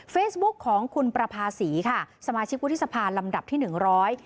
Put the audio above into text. เฟซบุ๊คของคุณประภาษีค่ะสมาชิกวุฒิสภาลำดับที่หนึ่งร้อย